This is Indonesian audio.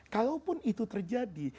kalaupun itu terjadi